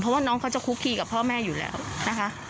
เพราะว่าน้องเขาจะคุกคีกับพ่อแม่อยู่แล้วนะคะ